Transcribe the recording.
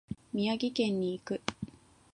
宮城県に行く。